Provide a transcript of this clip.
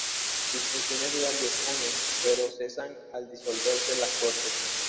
Sus funciones duran diez años, pero cesan al disolverse las Cortes.